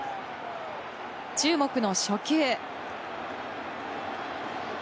注目の初球。